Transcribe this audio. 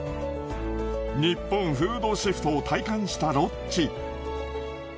ニッポンフードシフトを体感したロッチ。